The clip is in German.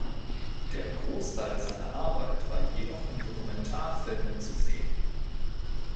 Der Großteil seiner Arbeit war jedoch in Dokumentarfilmen zu sehen.